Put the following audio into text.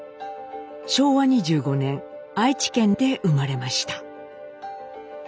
昭和２５年愛知県で生まれました。